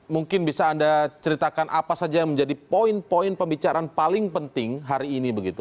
mungkin bisa anda ceritakan apa saja yang menjadi poin poin pembicaraan paling penting hari ini begitu